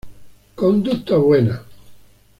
Conducta buena.